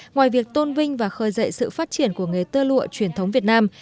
ngoài việc tôn vinh và khơi dậy sự phát triển của nghề tơ lụa truyền thống việt nam